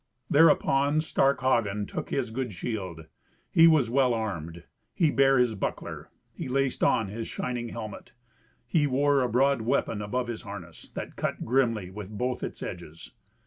Thereupon stark Hagen took his good shield. He was well armed. He bare his buckler. He laced on his shining helmet. He wore a broad weapon above his harness, that cut grimly with both its edges.